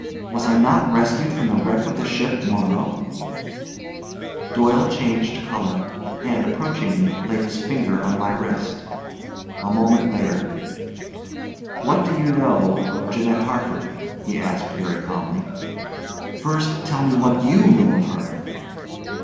Was I not rescued from the wreck of the ship Morrow?" Doyle changed color, and approaching me, laid his fingers on my wrist. A moment later, "What do you know of Janette Harford?" he asked very calmly. "First tell me what you know of her?"